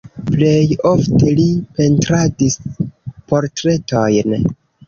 Plej ofte li pentradis portretojn.